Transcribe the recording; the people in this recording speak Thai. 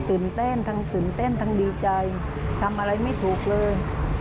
ตื่นเต้นทั้งตื่นเต้นทั้งดีใจทำอะไรไม่ถูกเลย